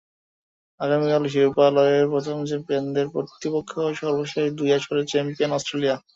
আগামীকাল শিরোপা লড়াইয়ে প্রথম চ্যাম্পিয়নদের প্রতিপক্ষ সর্বশেষ দুই আসরের চ্যাম্পিয়ন অস্ট্রেলিয়া।